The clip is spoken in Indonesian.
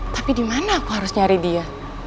tapi dimana aku harus nyari dia